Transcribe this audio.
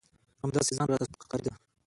همداسې ځان راته سپک ښکارېده.